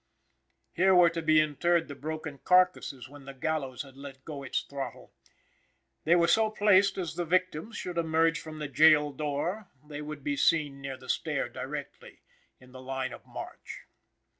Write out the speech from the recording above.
Here were to be interred the broken carcasses when the gallows had let go its throttle. They were so placed as the victims should emerge from the gaol door they would be seen near the stair directly in the line of march.